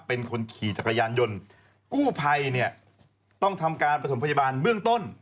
เป็นคนขี่จักรยานยนต์กู้ไพเนี่ยต้องทำการไปสมภัยบาลเมืองต้น